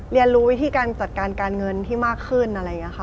เรียนรู้วิธีการจัดการการเงินที่มากขึ้นอะไรอย่างนี้ค่ะ